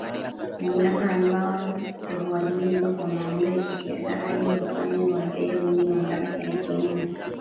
mamlaka ambao huwajibika kwa maamuzi ya kisiasa hadi wafanywe wazee wenye mamlaka Thelathini na